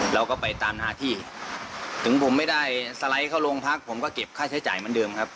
เราก็ไปตามหน้าที่ถึงผมไม่ได้สไลด์เข้าโรงพักผมก็เก็บค่าใช้จ่ายเหมือนเดิมครับ